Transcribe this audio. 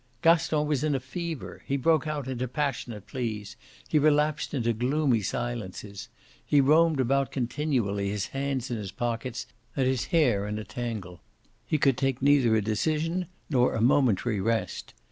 Gaston was in a fever; he broke out into passionate pleas he relapsed into gloomy silences. He roamed about continually, his hands in his pockets and his hair in a tangle; he could take neither a decision nor a momentary rest.